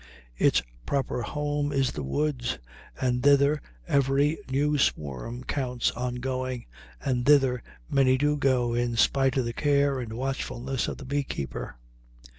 Its proper home is the woods, and thither every new swarm counts on going; and thither many do go in spite of the care and watchfulness of the bee keeper.